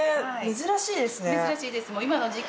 珍しいです。